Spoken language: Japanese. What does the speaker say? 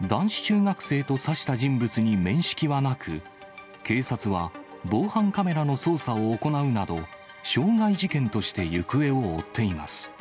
男子中学生と刺した人物に面識はなく、警察は、防犯カメラの捜査を行うなど、傷害事件として行方を追っています。